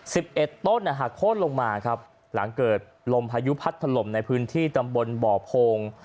เอ็ดต้นอ่ะหักโค้นลงมาครับหลังเกิดลมพายุพัดถล่มในพื้นที่ตำบลบ่อโพง